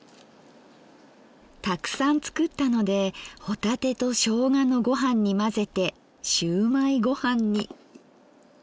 たくさん作ったので帆立てとしょうがのごはんに混ぜてしゅうまいごはんに。